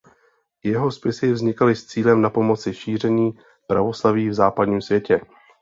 Jeho spisy vznikaly s cílem napomoci šíření pravoslaví v západním světě.